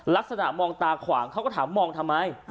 ลักษณะมองตาขวางเขาก็ถามมองทำไม